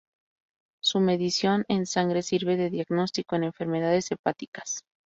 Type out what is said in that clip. Su medición en sangre sirve de diagnóstico de enfermedades hepáticas.